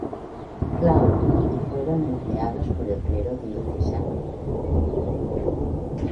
Cloud y fueron reemplazados por el clero diocesano.